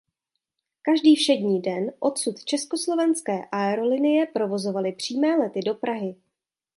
Každý všední den odsud Československé aerolinie provozovaly přímé lety do Prahy.